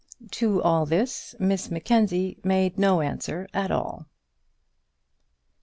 To all this Miss Mackenzie made no answer at all.